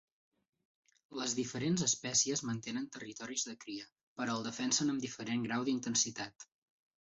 Les diferents espècies mantenen territoris de cria, però el defenen amb diferent grau d'intensitat.